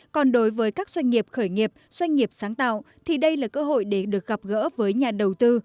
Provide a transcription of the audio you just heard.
còn đối với các doanh nghiệp khởi nghiệp doanh nghiệp sáng tạo thì đây là cơ hội để được gặp gỡ với nhà đầu tư